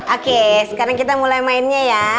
oke sekarang kita mulai mainnya ya